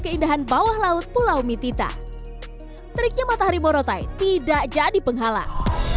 keindahan bawah laut pulau mitita teriknya matahari morotai tidak jadi penghalang